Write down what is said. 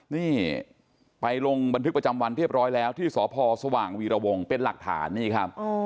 นี่ไปลงบันทึกประจำวันเรียบร้อยแล้วที่สพสว่างวีรวงเป็นหลักฐานนี่ครับ